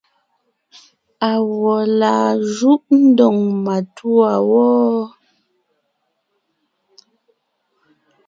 Awɔ̌ laa júʼ ndóŋ matûa wɔ́?